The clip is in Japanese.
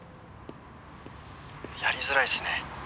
やりづらいですね。